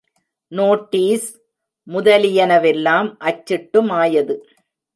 Notice முதலியனவெல்லாம் அச்சிட்டுமாயது.